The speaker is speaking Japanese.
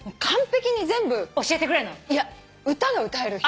いや歌が歌える人。